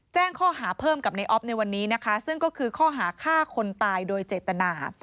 แจ้งข้อหาเพิ่มกับในออฟในวันนี้นะคะซึ่งก็คือข้อหาฆ่าคนตายโดยเจตนา